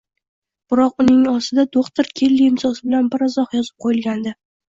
Biroq uning ostida doʻxtir Kelli imzosi bilan bir izoh yozib qoʻyilgandi